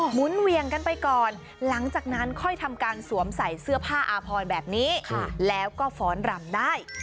หนเวียงกันไปก่อนหลังจากนั้นค่อยทำการสวมใส่เสื้อผ้าอาพรแบบนี้แล้วก็ฟ้อนรำได้